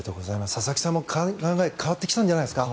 佐々木さんも考えが変わってきたんじゃないですか。